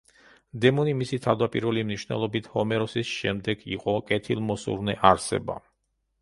დემონი მისი თავდაპირველი მნიშვნელობით ჰომეროსის შემდეგ იყო კეთილმოსურნე არსება.